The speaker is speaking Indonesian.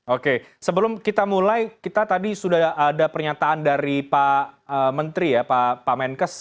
oke sebelum kita mulai kita tadi sudah ada pernyataan dari pak menteri ya pak menkes